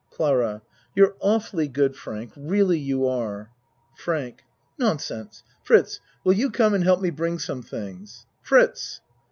CLARA You're awfully good, Frank. Really you are. FRANK Nonsense! Fritz, will you come and help me bring some things? Fritz!